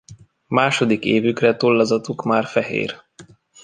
Második évükre tollazatuk már fehér.